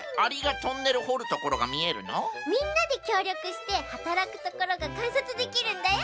みんなできょうりょくしてはたらくところがかんさつできるんだよ。